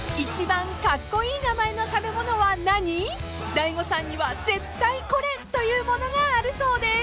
［大悟さんには絶対これ！というものがあるそうです］